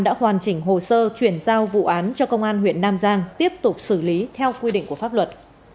đã hoàn chỉnh hồ sơ chuyển giao vụ án cho công an huyện nam giang tiếp tục xử lý theo quy định của pháp luật